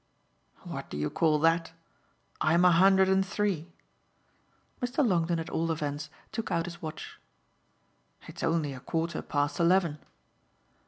"What do you call that? I'm a hundred and three!" Mr. Longdon at all events took out his watch. "It's only a quarter past eleven."